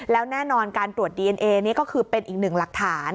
แล้วแน่นอนการตรวจดีเอนเอนี่ก็คือเป็นอีกหนึ่งหลักฐาน